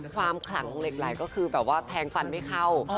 ความขลังของเหล็กไหลก็คือแบบว่าแทงฟันไม่เข้า